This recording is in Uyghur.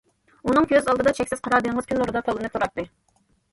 ئۇنىڭ كۆز ئالدىدا چەكسىز قارا دېڭىز كۈن نۇرىدا تاۋلىنىپ تۇراتتى.